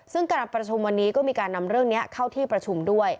ซึ่งการประชุมวันนี้ก็มีการนำเรื่องนี้เข้าที่ประชุมด้วย